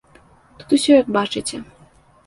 Тут усё, як бачыце.